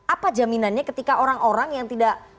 apa jaminannya ketika orang orang yang tidak